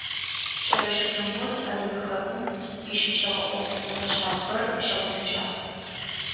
Кӏэрэщэ Тембот Адыгэ Хэкум ищыкӏэгъэ ӏоф зэфэшъхьафхэр щигъэцэкӏагъ.